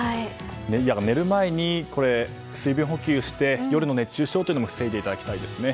寝る前に水分補給をして夜の熱中症も防いでいただきたいですね。